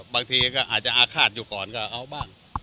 บางทีก็อาจจะอาฆาตอยู่ก่อนก็เอาบ้าง